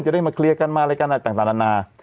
จะได้มาเคลียร์กันมาอะไรกันต่างอัน